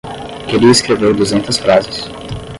Queria escrever duzentas frases.